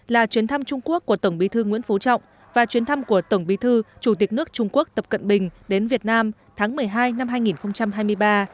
là chuyến thăm trung quốc của tổng bí thư nguyễn phú trọng và chuyến thăm của tổng bí thư chủ tịch nước trung quốc tập cận bình đến việt nam tháng một mươi hai năm hai nghìn hai mươi ba